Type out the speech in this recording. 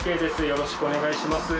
よろしくお願いします。